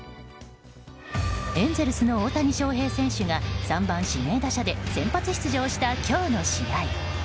エンゼルスの大谷翔平選手が３番指名打者で先発出場した今日の試合。